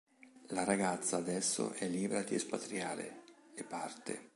La ragazza adesso è libera di espatriare, e parte.